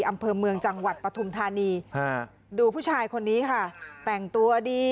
อำเภอเมืองจังหวัดปฐุมธานีดูผู้ชายคนนี้ค่ะแต่งตัวดี